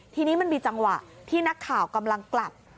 ทีนี้มันมีจังหวะที่นักข่าวกำลังกลับ